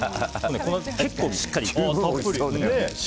結構しっかり。